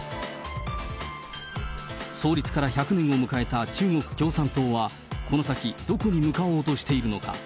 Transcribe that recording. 創立から１００年を迎えた中国共産党は、この先、どこに向かおうとしているのか。